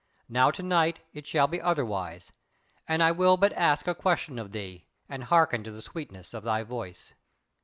Now to night it shall be otherwise, and I will but ask a question of thee, and hearken to the sweetness of thy voice."